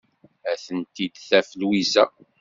Ad tent-id-taf Lwiza.